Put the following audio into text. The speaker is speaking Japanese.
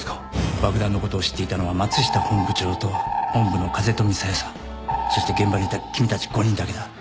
爆弾のことを知っていたのは松下本部長と本部の風富小夜さんそして現場にいた君たち５人だけだ。